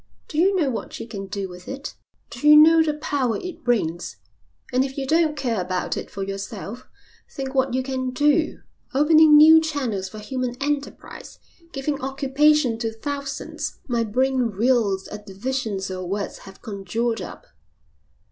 Do you know what you can do with it? Do you know the power it brings? And if you don't care about it for yourself think what you can do, opening new channels for human enterprise, giving occupation to thousands. My brain reels at the visions your words have conjured up."